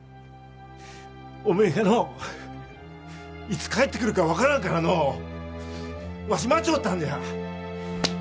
おめえがのういつ帰ってくるか分からんからのうわし待ちょったんじゃ。